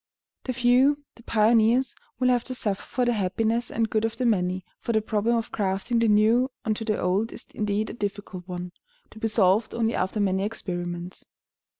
The few, the pioneers, will have to suffer for the happiness and good of the many, for the problem of grafting the new on to the old is indeed a difficult one, to be solved only after many experiments.